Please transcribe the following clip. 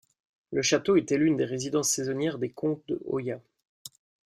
Le château était l'une des résidences saisonnières des comtes de Hoya.